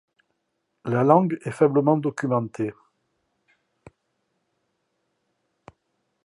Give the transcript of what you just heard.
La langue est faiblement documentée.